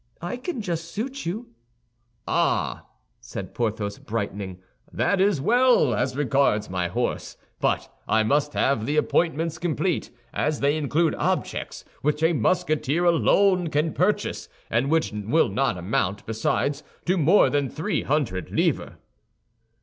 I can just suit you." "Ah!" said Porthos, brightening, "that's well as regards my horse; but I must have the appointments complete, as they include objects which a Musketeer alone can purchase, and which will not amount, besides, to more than three hundred livres."